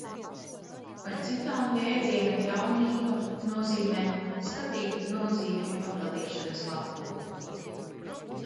Par citām jēdziena Jaunība nozīmēm skatīt nozīmju atdalīšanas lapu.